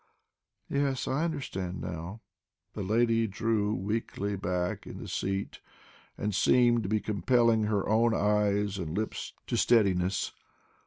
"Yes, I understand now." The lady drew weakly back in the seat and seemed to be compelling her own eyes and lips to steadiness.